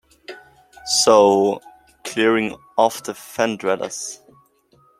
'...so 'Clearing of the fen-dwellers'.